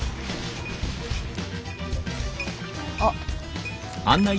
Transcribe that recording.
あっ。